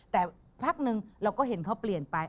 แต่พักหนึ่งเราก็เห็นเขาเปลี่ยนไป